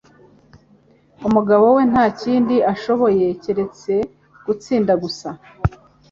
Umugabo we ntakindi ashoboye keretse gusinda gusa